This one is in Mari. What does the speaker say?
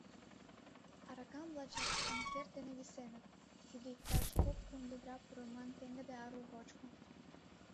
Аракам лачак анкер дене висеныт, тиде — иктаж кок-кум ведра пурыман пеҥгыде ару вочко.